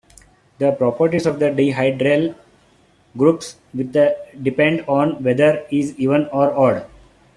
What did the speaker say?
The properties of the dihedral groups with depend on whether is even or odd.